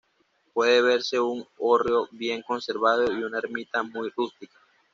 Puede verse un hórreo bien conservado y una ermita muy rústica.